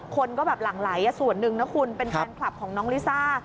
คนก็แบบหลั่งไหลส่วนหนึ่งนะคุณเป็นแฟนคลับของน้องลิซ่า